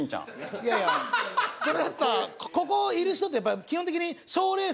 いやいやそれだったらここいる人って基本的に。